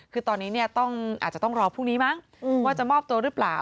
คือตอนนี้อาจจะต้องรอพรุ่งนี้มั้งว่าจะมอบตัวหรือเปล่า